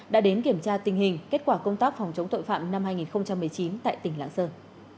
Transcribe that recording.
đã đến kiểm tra tình hình kết quả công tác phòng chống tội phạm năm hai nghìn một mươi chín tại tỉnh lãng sơn